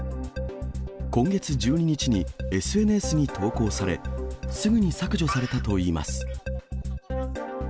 今月１２日にＳＮＳに投稿され、すぐに削除されたといいます。